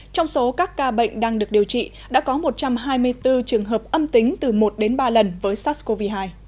trong số các ca bệnh đang được điều trị đã có một trăm hai mươi bốn trường hợp âm tính từ một đến ba lần với sars cov hai